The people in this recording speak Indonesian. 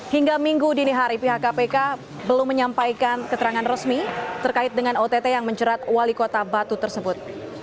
hingga minggu dini hari pihak kpk belum menyampaikan keterangan resmi terkait dengan ott yang menjerat wali kota batu tersebut